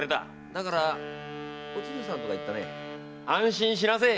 だからお千津さんだったね安心しなせえ！